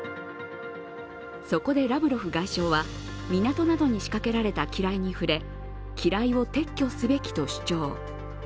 そこでラブロフ外相は、港などに仕掛けられた機雷に触れ、機雷を撤去すべきと主張。